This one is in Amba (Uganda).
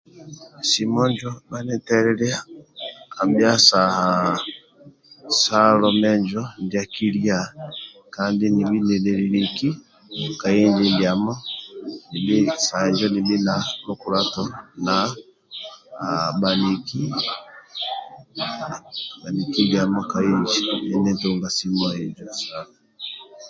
Simo injo bhanitelilia abhia saha salo menjo ndia kilia kandi nibhi ninililiki ka inji ndiamo saha njo nibhi na lukulato na ah bhaniki bhaniki ndiamo ka inji ndinitunga simu injo.